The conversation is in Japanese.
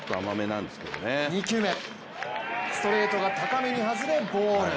２球目、ストレートが高めに外れボール。